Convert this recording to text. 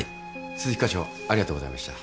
鈴木科長ありがとうございました。